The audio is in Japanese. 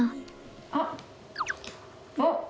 あっ。おっ。